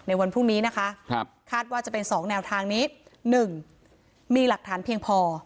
วันพรุ่งนี้นะคะคาดว่าจะเป็น๒แนวทางนี้๑มีหลักฐานเพียงพอ